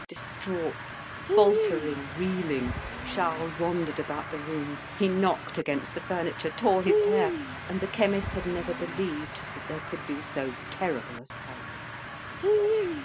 Distraught, faltering, reeling, Charles wandered about the room. He knocked against the furniture, tore his hair, and the chemist had never believed that there could be so terrible a sight.